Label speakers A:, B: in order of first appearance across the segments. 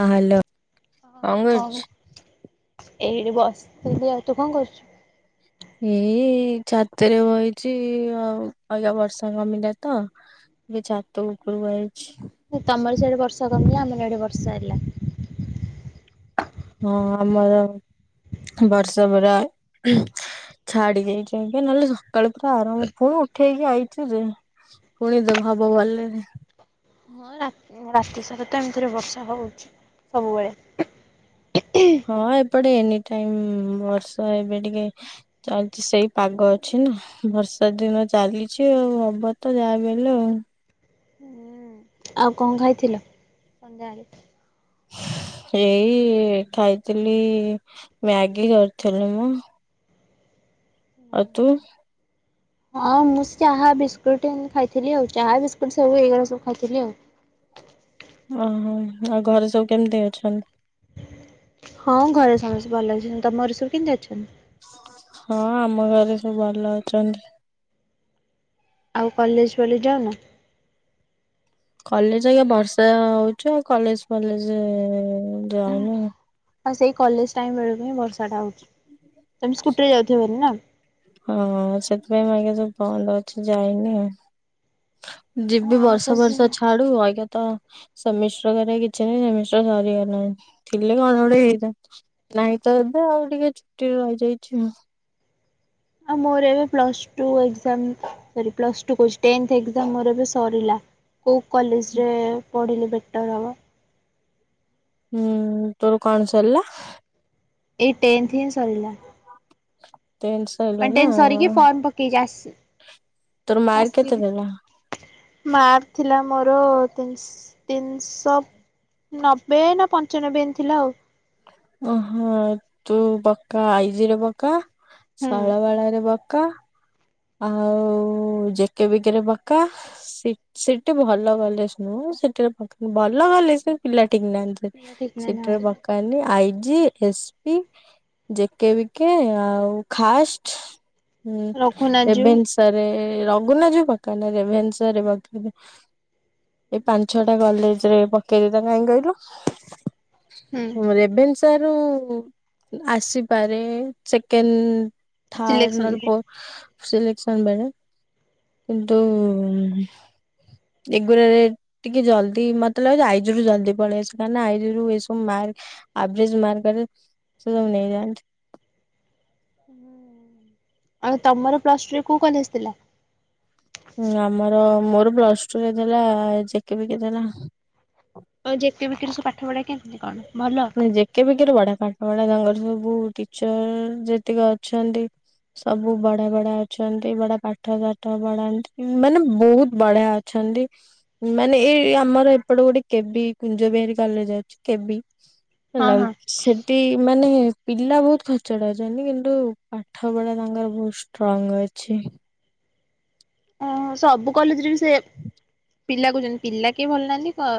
A: ହଁ ହାଲୋ।
B: ହଁ କଉଁ ଏଇଠି ବସିଥିଲି ତୁ କଣ କରୁଚୁ?
A: ଏ ଛାତେରେ ବଇଚି ଆଉ ଅଇକା ବର୍ଷା କମିଲା ତ। ଏଵେ ଛାତ ଉପରକୁ ଆଇଛି।
B: ଦି ତମର ସିଆଡେ ବର୍ଷା କମିଲା ଆମର ଇଆଡେ ବର୍ଷା ହେଲା।
A: ହଁ ଆମର ବର୍ଷା ପରା ଉହୁଁ। ଛାଡ଼ି ଯାଇଛି ଫେର ନହେଲେ ସକାଳେ ପୁରା ଆରମ୍ଭ [unintelligible] ଉଠେଇକି ଆଇଛି ଯେ ପୁଣି ଦେଭବ ବଲରେ
B: ହଁ ରା ଏଇନା ରାତି ସାରା ତ ଏମତିରେ ବର୍ଷା ହଉଚି ସବୁବେଳେ
A: ହଁ ଏପଟେ ଏନି ଟାଇମ୍ ବର୍ଷା ଏବେ ଟିକେ ଚାଲଚି ସେଇ ପାଗ ଅଛି ନା। ବର୍ଷା ଦିନ ଚାଲିଛି ଆଉ ହବ ତ ଯାହା ବି ହେଲେ ଆଉ।
B: ଆଉ କଣ ଖାଇଥିଲ ସନ୍ଧ୍ୟାଳେ?
A: ଏଇ ଖାଇଥିଲି ମ୍ୟାଗି କରିଥିଲି ମ ଆଉ ତୁ?
B: ହଁ ମୁଁ ଚାହା ବିସ୍କୁଟ ଏନ୍ତି ଖାଇଥିଲି ଆଉ ଚାହା ବିସ୍କୁଟ ସବୁ ଏଇଗୁରା ସବୁ ଖାଇଥିଲି ଆଉ।
A: ଓହୋ ଆଉ ଘରେ ସବୁ କେମତି ଅଛନ୍ତି?
B: ହଁ ଘରେ ସମସ୍ତେ ଭଲ ଅଛନ୍ତି ତମ ଘରେ ସବୁ କେମତି ଅଛନ୍ତି?
A: ହଁ ଆମ ଘରେ ସବୁ ଭଲ ଅଛନ୍ତି।
B: ଆଉ କଲେଜ ଫଲେଜ୍ ଯାଉନ?
A: କଲେଜ ଆଜ୍ଞା ବର୍ଷା ହଉଚି ଆଉ କଲେଜ ଫଲେଜ ଏଁ ଯାଉନି।
B: ହଁ ସେଇ କଲେଜ ଟାଇମ୍ ବେଳୁକୁ ହିଁ ବର୍ଷାଟା ହଉଚି ତମେ ସ୍କୁଟିରେ ଯାଉଥିବ ଭାରି ନା?
A: ହଁ ସେଥିପାଇଁ ପାଇଁକା ଯୋଉ ବନ୍ଦ ଅଛି ଯାଇନି।
B: ହଁ
A: ଯିବି
B: ଆମେ
A: ବର୍ଷା ଫର୍ଷା
B: ତ
A: ଛାଡୁ ଅଇକା ତ ସେମିଷ୍ଟାର ଘରିକା କିଛି ବି ସେମିଷ୍ଟାର ସରିଗଲାଣି ଥିଲେ କଣ ଗୋଟେ ହେଇଥା ନାଇଁ ତ ଏବେ ଆଉ ଟିକେ ଛୁଟିରେ ରହିଯାଇଛି ଆଉ।
B: ଆଉ ମୋର ଏବେ plus two exam sorry plus two କହୁଚି ଟେନ୍ଥ ଏଗ୍ଜାମ ମୋର ଏବେ ସରିଲା। କୋଉ କଲେଜରେ ପଢିଲେ ବେଟର୍ ହବ?
A: ହୁଁ ତୋର କଣ ସରିଲା?
B: ଏଇ ଟେନ୍ଥ ହିଁ ସରିଲା।
A: ଟେନ୍ସ
B: ନାଇଁ ଟେନ୍ଥ ସାରିକି ଫର୍ମ ପକେଇଚି ଆସି
A: ତୋର ମାର୍କ କେତେ ଦେଲା?
B: ଆସିନି ମାର୍କ ଥିଲା ମୋର ତିନଶ୍ ତିନଶ ନବେ ନା ପଞ୍ଚାନବେ ଥିଲା ଆଉ।
A: ଓହୋ ତୁ ପକା ଆଇଜିରେ ପକା,
B: ହୁଁ
A: ଶୈଳବାଳା ରେ ପକା ଆଉ ଜେକେ ବିକେ ରେ ପକା। ସେ ସେଠି ଭଲ କଲେଜ୍ ନୁହଁ, ସେଠି ଭ ଭଲ କଲେଜ୍ କିନ୍ତୁ ପିଲା ଠିକ୍ ନାହାନ୍ତି।
B: ଠିକ୍ ନା
A: ସେଠାରେ
B: ହଁ
A: ପକାନି I G S P, J K B K ଆଉ ଖାଷ୍ଟ
B: ରଘୁନାଥ ଜୀଉ
A: ରେଭେନ୍ସାରେ, ରଘୁନାଥ ଜିଉ ପକାନା ରେଭେନ୍ସା ଏଇ ପାଞ୍ଚ ଛ ଟା କଲେଜରେ ପକେଇ ଦେଇଥା କାଇଁ କହିଲୁ?
B: ହୁଁ
A: ରେଭେନ୍ ସାରୁ ଆସିପାରେ ସେକେଣ୍ଡ ଥାର୍ଡ ନହଲେ
B: ସିଲେକ୍ସନକୁ।
A: ଫୋର୍ଥ ସିଲେକ୍ସନ ବେଳେ କିନ୍ତୁ ଉଁ ଏଗୁଡ଼ାରେ କିନ୍ତୁ ଜଲଦି ମତେ ଲାଗୁଚି ଆ ଇ ଜି ରୁ ଜଲଦି ପଳେଇଆସେ, କାଇଁ ନା ଆ ଇ ଜି ରୁ ଏ ସବୁ ମାର୍କ ଆବ୍ରିଜ ମାର୍କରେ ସବୁ ନେଇଯାଆନ୍ତି।
B: ହୁଁ, ଆ ତମର ପ୍ଲସ ଟୁରେ କୋଉ କଲେଜ ଥିଲା?
A: ଆମର ମୋର ପ୍ଲସ ଟୁ କେ ଥିଲା ଜେ କେ ବିକେ ଥିଲା।
B: ଆଉ ଜେ କେ ବି କେ ସବୁ ପାଠ ପଢାକ ଏମିତି କଣ? ଭଲ।
A: ଯେକେ ବିକେ ରେ ବଢିଆ ପାଠ ପଢା, ତାଙ୍କର ସବୁ ଟିଚର ଯେତିକି ଅଛନ୍ତି ସବୁ ବଢା ବଢା ଅଛନ୍ତି, ବଢିଆ ପାଠ ସାଠ ବଢାନ୍ତି ମାନେ ବହୁତ ବଢିଆ ଅ ଅଛନ୍ତି, ମାନେ, ଏଇ ଆମର ଏପଟ ଗୋଟେ କେବି କୁଞ୍ଜ ବିହାରୀ କଲେଜ ଅଛି କେବି।
B: ହଁ ହଁ।
A: [unintelligible] ସେ ମାନେ ପିଲା ବହୁତ ଖେଚଡ଼ ଅଛନ୍ତି କିନ୍ତୁ ପାଠ ପଢା ତାଙ୍କର ବହୁତ ଷ୍ଟ୍ରଙ୍ଗ ଅଛି।
B: ଓ ସବୁ କଲେଜରେ ବି ସେ ପିଲା କହୁଛନ୍ତି ପିଲା କିଏ ଭଲ ନାହାନ୍ତି,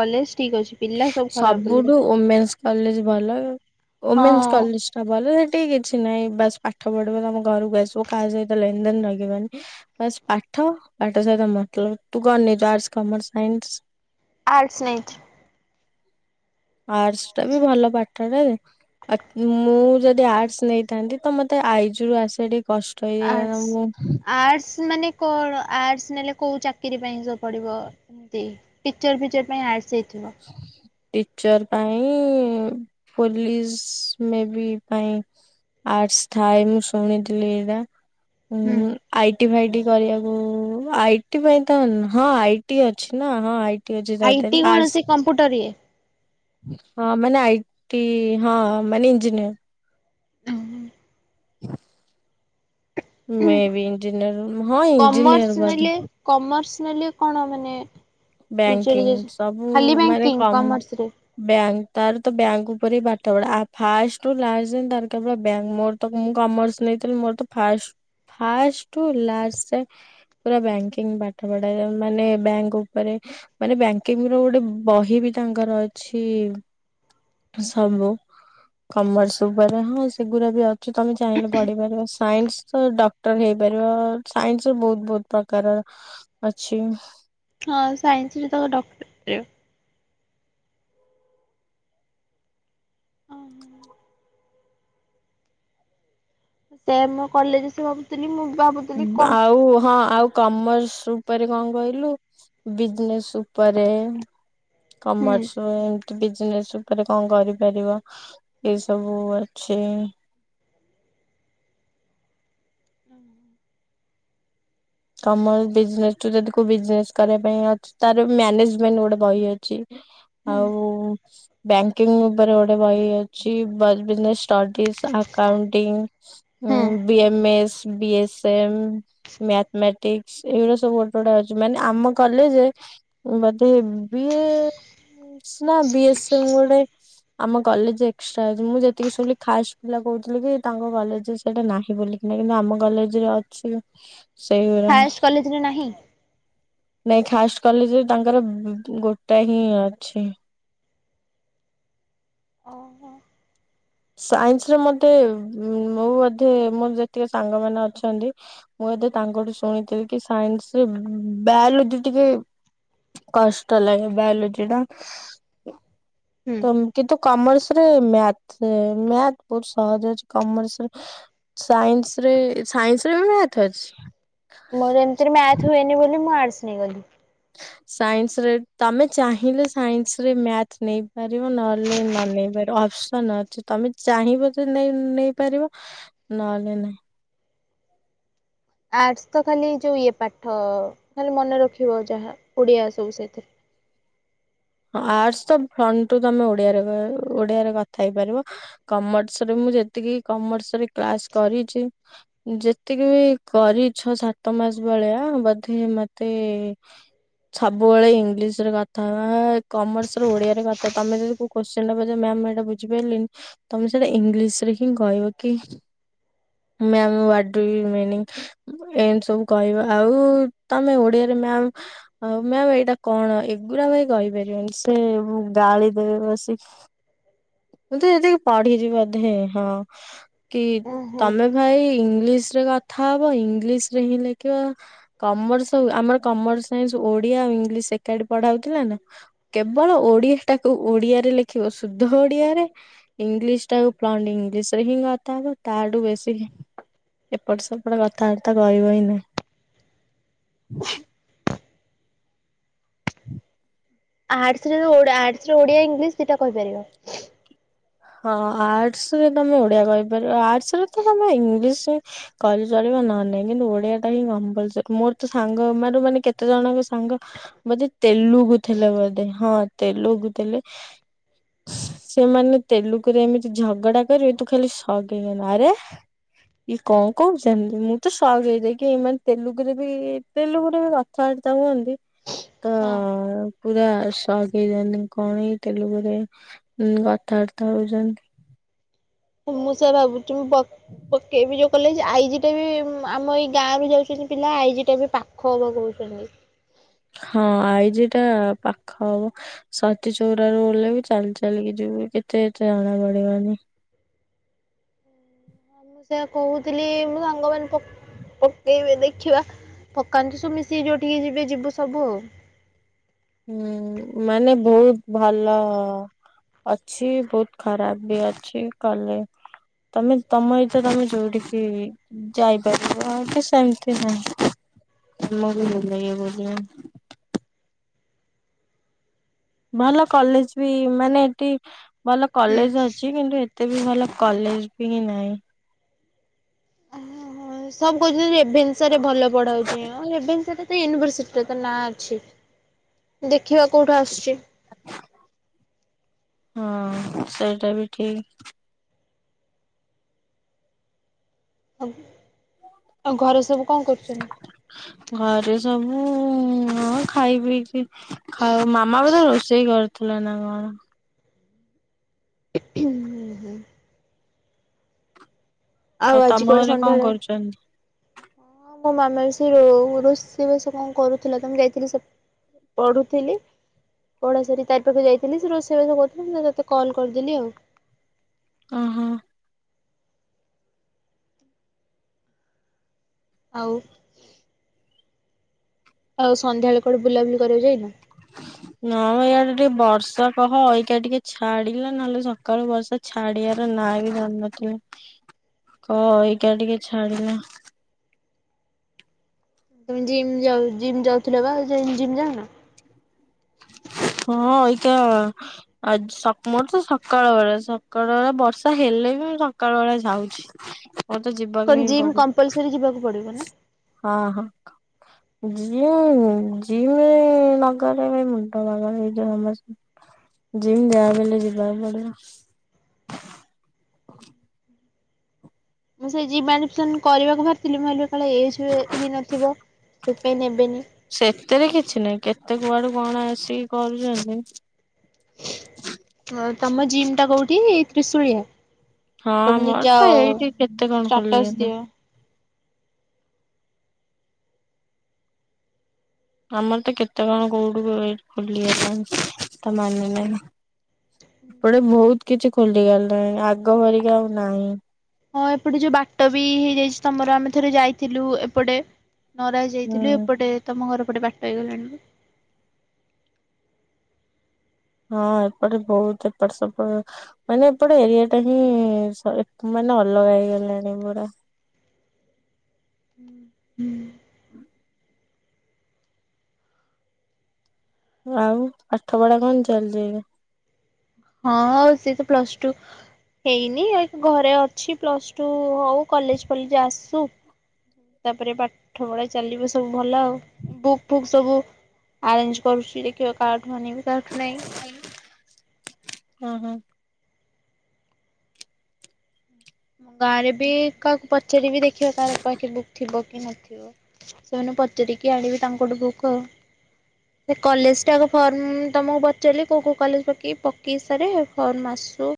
B: କଲେଜ ଠିକ ଅଛି। ପିଲା ସବୁ ଖରାପ ବୋଲି
A: ସବୁଠୁ
B: ହଁ
A: ଓମେନ୍ସ କଲେଜ ଭଲ, ଓମେନ୍ସ କଲେଜ ତ ଭଲ ସେଠିକ କିଛି ନାହିଁ ବାସ ପାଠ ପଢିବ ତମ ଘରକୁ ଆସିବ କାହା ସହିତ ଲେନ ଦେନ ଲାଗିବନି। ବସ୍ ପାଠ, ପାଠ ସହିତ ମତଲବ ତୁ କରନିୁ ଆର୍ଟସ, କମର୍ସ, ସାଇନ୍ସ
B: ଆର୍ଟ୍ସ୍ ନେଇଚି।
A: ଆର୍ଟସ ଟା ବି ଭଲ ପାଠ। ମୁଁ ଯଦି ଆର୍ଟସ୍ ନେଇଥାନ୍ତି ତ ମତେ ଆଇଜ ରୁ ଆସେ ଟିକେ କଷ୍ଟ
B: ଆର୍ଟସ୍,
A: ହେଇଯାଇ ମୁଁ
B: ଆର୍ଟସ୍ ମାନେ କଣ ଆର୍ଟସ୍ ନେଲେ କୋଉ ଚାକିରୀ ପାଇଁ ସବୁ ପଡ଼ିବ? ଟିଚର ଫିଚର ପାଇଁ ଆଟସ ହେଇଥିବ।
A: ଟିଚର ପାଇଁ ପୋଲିସ ମେବି ପାଇଁ ଆର୍ଟ୍ସ ଥାଏ, ମୁଁ ଶୁଣିଥିଲି ବା
B: ହୁଁ
A: ଆଇଟି ଭାଇଟି କରିବାକୁ, ଆଇଟି ପାଇଁ ତ, ହଁ ଆଇ ଟି ଅଛି ନା ହଁ ଆଇ
B: ଆଇ ଟି କଣ? ସେ କମ୍ପ୍ୟୁଟର ଇଏ
A: ହଁ ମାନେ ଆଇଟି ହଁ ମାନେ ଇଞ୍ଜିନିୟର୍। ମେ ବି ଇଞ୍ଜିନିୟର, ହଁ
B: କମର୍ସ
A: ଇଞ୍ଜିନିୟର ବୋଧେ
B: ନେଲେ କମର୍ସ ନେଲେ କଣ ମାନେ?
A: ବ୍ୟାଙ୍କିଙ୍ଗ ସବୁ
B: ଖାଲି
A: ମାନେ
B: ବ୍ୟାଙ୍କିଙ୍ଗ
A: କମ
B: କମର୍ସରେ।
A: ବ୍ୟାଙ୍କ ତାର ତ ବ୍ୟାଙ୍କ ଉପରେ ହି ପାଠ ପଢ଼ା, ଫାର୍ଷ୍ଟ ରୁ ଲାଷ୍ଟ ଯାଏଁ ତାରା ବ୍ୟାଙ୍କ ମୋର ମୁଁ କମର୍ସ ନେଇଥିଲି, ମୋର ତ ଫ ଫାର୍ଷ୍ଟ ରୁ ଲାଷ୍ଟ ଯାଏଁ ପୁରା ବ୍ୟାଙ୍କିଙ୍ଗ ପାଠ ପଢ଼ା ମାନେ ବ୍ୟାଙ୍କ ଉପରେ ମାନେ ବ୍ୟାଙ୍କିଙ୍ଗ୍ ର ଗୋଟେ ବହି ବି ତାଙ୍କର ଅଛି। ସବୁ କମର୍ସ ଉପରେ ହଁ ସେଗୁଡା ବି ଅଛି ତମେ ଚାହିଁଲେ ପଢିପାରିବ ସାଇନ୍ସ ଡ ଡକ୍ଟ ହେଇପାରିବ ସାଇନ୍ସରେ ବୋହୁତ ବୋହୁତ ପ୍ରକାରର [unintelligible]
B: ହଁ ସାଇନ୍ସରେ ତ ଡକ୍ଟ ସେ ମୋ କଲେଜ ଆସି ଭାବୁଥିଲି ମୁଁ ବା
A: ଆଉ ହଁ ଆଉ। କମର୍ସ ଉପରେ କଣ କହିଲୁ ବିଜନେସ୍ ଉପରେ
B: ହୁଁ
A: କମର୍ସ ଏମିତି ବିଜନେସ୍ ଉ ତାପରେ କଣ କରିପାରିବ ଏ ସବୁ ଅଛି।
B: [unintelligible]
A: କମର ବିଜନେସ୍ ଯଦି କୋଉ ବିଜନେସ୍ କରିବା ପାଇଁ ଅଛି ତାର ମ୍ୟାନେଜମେଣ୍ଟ ଗୋଟେ ବହି ଅଛି
B: ହୁଁ
A: ଆଉ ବ୍ୟାଙ୍କିଙ୍ଗ୍ ଉପରେ ଗୋଟେ ବହି ଅଛି ବିଜନେସ୍ ସ୍ଟାଟିସ୍ ଆକାଉଣ୍ଟିଙ୍ଗ୍ ଉଁ
B: ହୁଁ।
A: B MS B S M mathematics ଏଇଗୁଡା ସବୁ ଗୋଟେ ଗୋଟେ ହଉଛି ମାନେ ଆମ କଲେଜରେ ମତେ ବିଏ ନା ବିଏ ସ୍ ମେ ରେ ଗୋଟେ ଆମ କଲେଜ ଏକ୍ସଟ୍ରା ଅଛି ମୁଁ ଯେତିକି ଶୁଣିଲି ଖାସ୍ ପିଲା କହୁଥିଲି କି ତାଙ୍କ କଲେଜରେ ସେଇଟା ନାହିଁ ବୋଲି। କିନ୍ତୁ ଆମ କଲେଜ୍ ରେ ଅଛି।
B: [inaudible]
A: ସେଇ
B: ହାଏଷ୍ଟ
A: [unintelligible]
B: କଲେଜରେ ନାହିଁ।
A: ନାଇଁ ଖାଷ୍ଟ କଲେଜରେ ତାଙ୍କର ଗୋଟାଏ ହିଁ ଅଛି।
B: ଓହୋ।
A: ସାଇନ୍ସରେ ମତେ ମୁଁ ବୋଧେ ମୋର ଯେତିକ ସାଙ୍ଗ ମାନେ ଅଛନ୍ତି। ମୁଁ ବୋଧେ ତାଙ୍କଠୁ ଶୁଣିଥିଲି କି ସାଇନ୍ସ୍ ରେ ବାୟୋଲୋଜି ଟିକେ କଷ୍ଟ ଲାଗେ ବାୟୋଲୋଜି ଟା।
B: ହୁଁ।
A: ତ କିନ୍ତୁ କମର୍ସ ରେ ମ୍ୟାଥ୍ ମ୍ୟାଥ୍ ବହୁତ ସହଜ ଅଛି କମର୍ସରେ। ସାଇନ୍ସରେ ସାଇନ୍ସରେ ବି ମ୍ୟାଥ୍ ଅଛି।
B: ମୋର ଏମତିରେ ମ୍ୟାଥ୍ ହୁଏନି ବୋଲି ମୁଁ ଆର୍ଟସ୍ ନେଇଗଲି।
A: ସାଇନ୍ସରେ ତମେ ଚାହିଁଲେ ସାଇନ୍ସରେ ମ୍ୟାଥ ନେଇପାରିବ ନହେଲେ ନନେଇେଇ ପାରିବ ଅପ୍ସନ ଅ ତମେ ଚାହିଁବ ତ ନେଇ-ନେଇପାରିବ ନହେଲେ ନାଇଁ।
B: ଆର୍ଟସ୍ ତ ଖାଲି ଯୋଉ ଇଏ ପାଠ, ଖାଲି ମନେରଖିବ ଯାହା, ଓଡିଆ ସବୁ ସେଥିରେ।
A: ହଁ ଆର୍ଟସ୍ ତ ଫ୍ରଣ୍ଟୁ ତମେ ଓଡିଆରେ ଓଡିଆରେ କଥା ହେଇପାରିବ। କମର୍ସରେ ମୁଁ ଯେତିକି କମର୍ସରେ କ୍ଲାସ୍ କରିଛି ଯେତିକି ବି କରିଛ ସାତ ମାସ ଭଳିଆ ବୋଧେ ମତେ ସବୁବେଳେ ଇଂଲିଶରେ କଥା ହବା କମର୍ସର ଓଡିଆରେ କଥା, ତମେ ଯଦି କୋଉ କୋଶ୍ଚେନଟା ପଚା ମ୍ୟାାମ ମୁଁ ଏଇଟା ବୁଝିପାଇଲିନି ତମେ ସେଇଟା ଇଂଲିଶରେ ହିଁ କହିବ କି ମ୍ୟାମ୍ ୱାଟ ଡୁ ୟୁ ମନିଂ? ଏମିତି ସବୁ କହିବା। ଆଉ ତମେ ଓଡିଆରେ ମ୍ୟାମ୍ ଆଉ ମ୍ୟାାମ ଏଇଟା କଣ ଏଗୁୁରା ଭାଇ କହିପାରିବନି। ସେ ଗାଳି ଦେବେ ବସିକି ମୁଁ ତ ଯେତିକି ପଢିଛିି ବୋଧେ, ହଁ କି
B: ଓହୋ
A: ତମେ ଭାଇ ଇଂଲିଶରେ କଥା ହବ। ଇଂଲିଶରେ ହିଁ ଲେଖିବ। କମର୍ସ ସବୁ, ଆମର କମର୍ସ ସାଇନ୍ସ ଓଡିଆ ଆଉ ଇଂଲିଶ ଏକାଠି ପଢ଼ା ହଉଥିଲାନା। କେବଳ ଓଡିଆ ଟାକୁ ଓଡିଆରେ ଲେଖିବ ସୁ ଧ ଓଡିଆରେ ଇଂଲିଶ ଟାକୁ ଫ୍ରଣ୍ଟ୍ ଇଂଲିଶରେ ହିଁ କଥା ହବ ତାଠୁ ବେଶୀ ଏପଟ ସେପଟ କଥାବାର୍ତ୍ତା କହିବ ହିଁ ନାଇଁ।
B: ଆର୍ଟସ୍ ରେ ଓ-ଆର୍ଟସରେ ଓଡିଆ ଇଂଲିଶ ଦିଇଟା କହିପାରିବ।
A: ହଁ ଆର୍ଟସରେ ତମେ ଓଡ଼ିଆ କହିପାରିବ। ଆର୍ଟସରେ ତ ତମେ ଇଂଲିଶ କଲେ ଚଳିବ ନହେଲେ ନାହିଁ। କିନ୍ତୁ ଓଡିଆଟା ହିଁ କମ୍ପଲସରୀ। ମୋର ତ ସାଙ୍ଗ ମାରୁ-ମାନେ କେତେ ଜଣଙ୍କ ସାଙ୍ଗ ବୋଧେ ତେଲୁକୁଥିଲେ ବୋଧେ ହଁ ତେଲକୁଥିଲେ। ସେମାନେ ତେଲୁଗୁରେ ଏମିତି ଝଗଡା କରିବି ତୁ ଖାଲି ଶକ ହେଇଗଲେ ଆରେ ଇ କଣ କହୁଛନ୍ତି ଯେମିତି ମୁଁ ତ ସକ ହେଇଯାଇକି ଏଇମାନେ ତେଲୁଗୁରେ ବି ତେଲୁଗୁରେ ବି ରେ କଥାବାର୍ତ୍ତା ହୁଅନ୍ତି। ତ
B: ହଁ
A: ପୁରା ସକ ହେଇଯାନ୍ତି କଣ ଏଇ ତେଲୁଗୁରେ କଥାବାର୍ତ୍ତା ହଉଛନ୍ତି।
B: ମୁଁ ସେଇଆ ଭାବୁଛି ମୁଁ ବ ପକେଇବି ଯୋଉ କଲେଜ, ଆଇଜି ଟା ବି ଆମ ଏଇ ଗାଁ ରୁ ଯାଉଛନ୍ତି ପିଲା। ଆଇଜି ଟା ବି [unintelligible]
A: ହଁ ଆଇଜି ଟା ପାଖ ହବ। ସତୀଚଉରାରୁ ଓହ୍ଲେଇବି ଚାଲି ଚାଲିକି ଯିବୁ ଏତେ ଏତେ ଜଣାପଡିବନି।
B: ସେଇୟା କହୁଥିଲି ମୋ ସାଙ୍ଗମାନେ ପ ପକେଇବେ ଦେଖିବା। ପକାନ୍ତୁ ସବୁ ମିଶିକି ଯୋଉଠିକି ଯିବେ ଯିବୁ ସବୁ ଆଉ।
A: ହୁଁ, ମାନେ ବହୁତ ଭଲ ଅଛି, ବହୁତ ଖରାପ ବି ଅଛି କଲେ ତମେ ତମ ଏଇତ ତମେ ଯୋଉଠିକି ଯାଇପାରିବ ଆଉ ତ ସେମିତି ନାହିଁ। [inaudible] ଭଲ କଲେଜ ବି, ମାନେ ଏଠି ଭଲ
B: ହୁଁ।
A: କଲେଜ ଅଛି, କିନ୍ତୁ ଏତେ ବି ଭଲ କଲେଜ ବି ନାହିଁ।
B: ଓହୋ ସବୁ କହୁଛନ୍ତି ରେଭେନ୍ସାରେ ଭଲ ପଢାଉଛି ରେଭେନ୍ସା ତ ୟୁନିଭରସିଟି [unintelligible] ନାଁ ଅଛି ଦେଖିବା କୋଉଠୁ ଆସୁଛି?
A: ହଁ ସେଇଟା ବି ଠିକ।
B: ଆଉ ଆଉ ଘର ସବୁ କଣ କରୁଛନ୍ତି?
A: ଘରେ ସବୁ ଖାଇ ପିଇଛି। ଖାଉ ମାମା ବି ତ ରୋଷେଇ କରିଥିଲେ ନା କଣ?
B: ହୁଁ ହୁଁ।
A: ଆଉ
B: ଆଜି
A: ତମ
B: କୁଆଡେ
A: ଘରେ କଣ
B: ସନ୍ଧ୍ୟାବେଳେ
A: କରୁଛନ୍ତି?
B: ମୋ ମାମା ସେଇ ରୋଷେଇ ବାସ କଣ କରୁଥିଲା ତମେ ଯାଇଥିଲି ସେ ପଢୁଥିଲି। କଢା ସାରୀ ତାରି ପାଖ ଯାଇଥିଲି ସେ ରୋଷେଇବାସ କହୁଥିଲେ ମୁଁ ତତେ କଲ୍ କରିଦେଲି ଆଉ।
A: ଓହୋ।
B: ଆଉ? ଆଉ ସନ୍ଧ୍ୟାବେଳେ କୁଆଡେ ବୁଲାବୁଲି କରିବାକୁ ଯାଇନ?
A: ନାମ ଇଆଡେ ଟିକେ ବର୍ଷା କହ ଏଇକା ଟିକେ ଛାଡିଲା ନହେଲେ ସକାଳୁ ବର୍ଷା ଛାଡ଼ିବାର ନାଁ ବି ଧରୁନଥିଲା।
B: ହ।
A: କହ ଏଇକା ଟିକେ ଛାଡିଲା।
B: ତମେ ଜିମ୍ ଜିମ୍ ଯାଉଥିଲ ବା ଜିମ୍ ଯାଉନ?
A: ହଁ ଏଇକା ଆ ମୋର ତ ସକାଳ ବେଳା ସକାଳ ବେଳା ବର୍ଷା ହେଲେ ବି ମୁଁ ସକାଳ ବେଳା ଯାଉଛି। ହଁ ତ ଯିବ।
B: କଣ ଜିମ୍ କମ୍ପଲ୍ସାରୀ ଯିବାକୁ ପଡ଼ିବ ନା?
A: ହଁ ହଁ ଜିମ୍ ଜିମ୍ ନଗ ଲେ ମୁଣ୍ଡ ପାଗଳ ହେଇ ସମସ୍ତଙ୍କର ଜିମ ଯାହାବି ହେଲେ ଯିବାକୁ ପଡିବ। [inaudible]
B: ମୁଁ ସେଇ ଯିବ୍ ଆଡମିସନ କରିବାକୁ ବାହାରିଥିଲି ମୁଁ ଭାଲି। କାଳେ ଏଜ ହୁଏ ହେଇନଥିବ ସେଥିପାଇଁ ନେବେନି।
A: ସେତେରେ କିଛି ନାହିଁ କେତେ କୁଆଡୁ କଣ ଆସିକି କରୁଛନ୍ତି।
B: ହଁ ତମ ଜିମ୍ ଟା କୋଉଠି ତ୍ରିଶୁଳିଆ।
A: ହଁ
B: ତମି
A: ଆମର
B: ଯାଅ
A: ତ ଏଇଠି କେତେ କଣ
B: ଷ୍ଟାଟସ
A: ଖୋଲିଗଲା
B: ଦିଅ।
A: ଆମର ତ କେତେ କଣ କୋଉଠୁ [unintelligible] ଖୋଲି ଗଲାଣି ତା ମାନେ ନାହିଁ। ଏପଟେ ବହୁତ କିଛି ଖୋଲିଗଲାଣି। ଆଗ ଭରିକା ଆଉ ନାହିଁ।
B: ହଁ ଏପଟେ ଯୋଉ ବାଟ ବି ହେଇଯାଇଛି ତମର ଆମେ ଥରେ ଯାଇଥିଲୁ ଏପଟେ। ନରାଜ
A: ହୁଁ।
B: ଯାଇଥିଲୁ। ଏପଟେ ତମ ଘର ପଟେ ବାଟ ହେଇଗଲାଣି ନା।
A: ହଁ ଏପଟେ ବହୁତ ଏପଟ ସବୁ। ମାନେ ଏପଟେ ଏରିଆ ଟା ହିଁ ସ ମାନେ ଅଲଗା ହେଇଗଲାଣି ପୁରା।
B: ହୁଁ ହୁଁ।
A: ଆଉ ପାଠ ପଢା କଣ ଚାଲିଛି ଏବେ?
B: ହଁ ସିଏ ତ ପ୍ଲସ ଟୁ। ହେଇନି ଘରେ ଅଛି ପ୍ଲସ ଟୁ ହଉ କଲେଜ ପଲେଜ ଆସୁ। ତାପରେ ପାଠ ପଢା ଚାଲିବ ସବୁ ଭଲ ଆଉ ବୁକ୍ ଫୁକ୍ ସବୁ। ଆରେଞ୍ଜ କରୁଛି ଦେଖିବା କାଠୁ ଆନିବି କାଠୁ ନାହିଁ।
A: ହଁ ହଁ।
B: ମୁଁ ଗାଁରେ ବି କାହାକୁ ପଚାରିବି ଦେଖିବା କାହାର ପାଖେ ବୁକ୍ ଥିବ କି ନଥିବ। ସେମାନେ ପଚାରିକି ଆଣିବେ ତାଙ୍କଠୁ ବୁକ୍ ଆଉ। ସେ କଲେଜଟାଗ ଫର୍ମ ତମକୁ ପଚାରିଲି କଉଁ କଉଁ କଲେଜ ପକେଇବି। ପକେଇ ସାରେ ଫର୍ମ ଆସୁ।